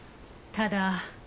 ただ？